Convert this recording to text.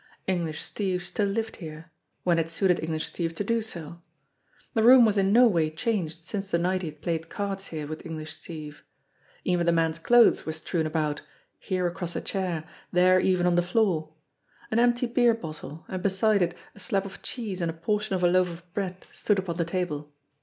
English Steve still lived here when it suited English Steve to do so ! The room was in no way changed since _the night he had played cards here with English Steve. Even the man's clothes were strewn about, here across a chair, there even on the floor. An empty beer bottle, and beside it a slab of cheese and a portion of a loaf of bread, stood upon the table.